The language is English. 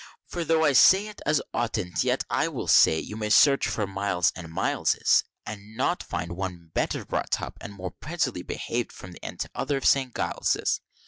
For though I say it as oughtn't, yet I will say, you may search for miles and mileses And not find one better brought up, and more pretty behaved, from one end to t'other of St. Giles's.